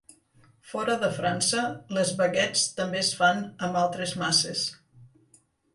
Fora de França, les baguets també es fan amb altres masses.